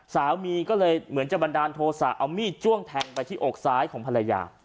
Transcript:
สามีก็เลยเหมือนจะบันดาลโทษะเอามีดจ้วงแทงไปที่อกซ้ายของภรรยา